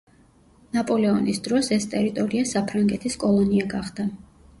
ნაპოლეონის დროს ეს ტერიტორია საფრანგეთის კოლონია გახდა.